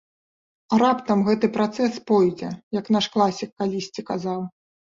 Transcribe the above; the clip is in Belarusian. А раптам гэты працэс пойдзе, як наш класік калісьці казаў.